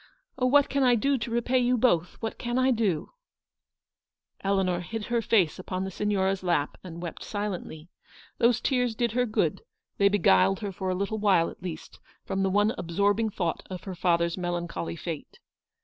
Oh, what can I do to repay you both, what can I do ?" Eleanor hid her face upon the Signora's lap, and wept silently. Those tears did her good; they beguiled her for a little while, at least, from the one absorbing thought of her father's melancholy fate.